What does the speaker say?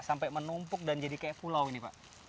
sampai menumpuk dan jadi kayak pulau ini pak